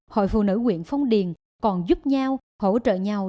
hội phụ nữ huyện phong điền còn giúp nhau hỗ trợ nhau